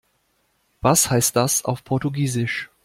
Was heißt das auf Portugiesisch?